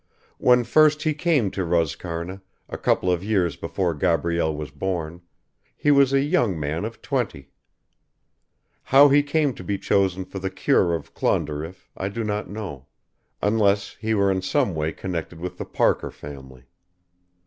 When first he came to Roscarna, a couple of years before Gabrielle was born, he was a young man of twenty. How he came to be chosen for the cure of Clonderriff I do not know, unless he were in some way connected with the Parker family.